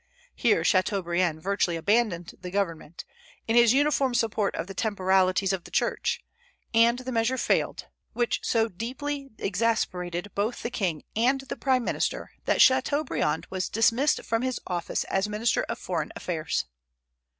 Here Chateaubriand virtually abandoned the government, in his uniform support of the temporalities of the Church; and the measure failed; which so deeply exasperated both the king and the prime minister that Chateaubriand was dismissed from his office as minister of foreign affairs.